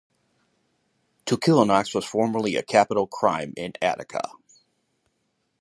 To kill an ox was formerly a capital crime in Attica.